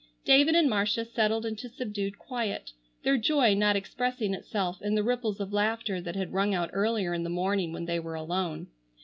David and Marcia settled into subdued quiet, their joy not expressing itself in the ripples of laughter that had rung out earlier in the morning when they were alone.